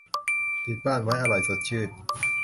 ติดบ้านไว้อร่อยสดชื่น